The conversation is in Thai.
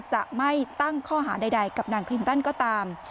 จะไม่ตั้งข้อหาใดกับนางคลินตันก็ตาม